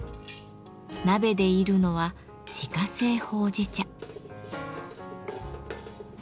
鍋で炒るのは自家製ほうじ茶。